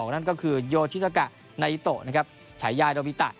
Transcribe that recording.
นั่นก็คือโยชิสักะนายิโตฉายายโดวิตะ